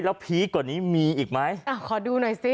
แล้วพีคกว่านี้มีอีกไหมอ่าขอดูหน่อยสิ